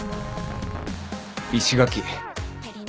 石垣。